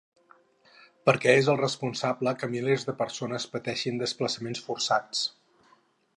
Perquè és la responsable que milers de persones pateixin desplaçaments forçats.